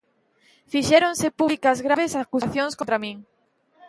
Fixéronse públicas graves acusacións contra min.